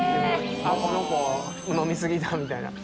「この子飲みすぎだ」みたいな。